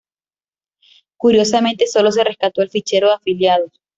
Curiosamente, sólo se rescató el fichero de afiliados.